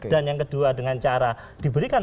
dan yang kedua dengan cara diberikan